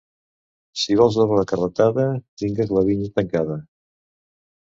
Si vols doble carretada tingues la vinya tancada.